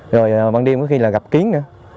rồi bằng đêm có khi là gặp kiến nữa